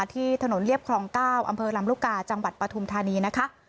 ที่ถนนเรียบคลอง๙อำเภอลำลูกกาจังหวัดปฐุมธานีนะคะ